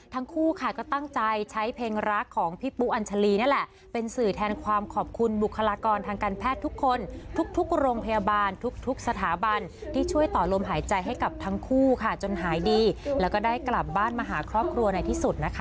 ทั้งคู่ค่ะก็ตั้งใจใช้เพลงรักของพี่ปุ๊อัญชาลีนั่นแหละเป็นสื่อแทนความขอบคุณบุคลากรทางการแพทย์ทุกคนทุกโรงพยาบาลทุกทุกสถาบันที่ช่วยต่อลมหายใจให้กับทั้งคู่ค่ะจนหายดีแล้วก็ได้กลับบ้านมาหาครอบครัวในที่สุดนะคะ